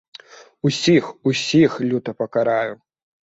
Усіх, усіх люта пакараю!